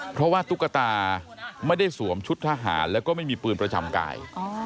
เพราะว่าตุ๊กตาไม่ได้สวมชุดทหารแล้วก็ไม่มีปืนประจำกาย